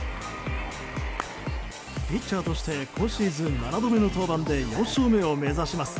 ピッチャーとして今シーズン７度目の登板で４勝目を目指します。